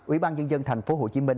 ủy ban dân dân tp hcm